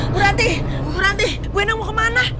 bu ranti bu ranti bu endang mau kemana